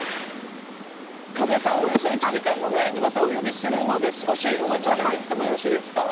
和江さんおよそ１時間後くらいにまたお呼びするので少しお待ちいただいててもよろしいですか？